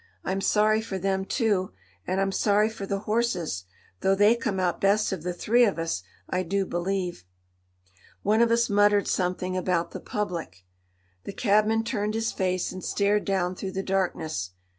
"I'm sorry for them, too, and I'm sorry for the horses, though they come out best of the three of us, I do believe." One of us muttered something about the Public. The cabman turned his face and stared down through the darkness.